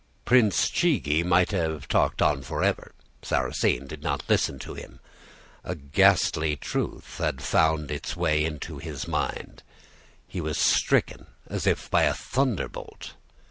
"Prince Chigi might have talked on forever, Sarrasine did not listen to him. A ghastly truth had found its way into his mind. He was stricken as if by a thunderbolt.